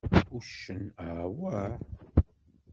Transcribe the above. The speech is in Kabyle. Uccen: Awah!